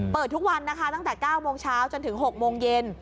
เปิดทุกวันนะคะตั้งแต่๙โมงเช้าจนถึง๖โมงเย็น